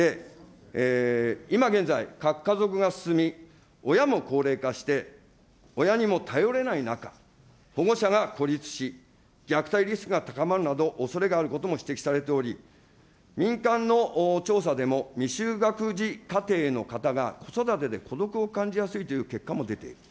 今現在、核家族が進み、親も高齢化して、親にも頼れない中、保護者が孤立し、虐待リスクが高まるなど、おそれがあることも指摘されており、民間の調査でも未就学児家庭の方が子育てで孤独を感じやすいという結果も出ている。